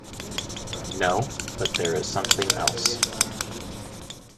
No, but there is something else.